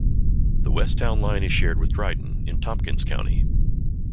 The west town line is shared with Dryden in Tompkins County.